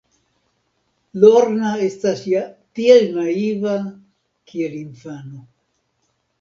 Lorna estas ja tiel naiva, kiel infano.